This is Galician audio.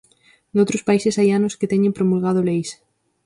Noutros países hai anos que teñen promulgado leis.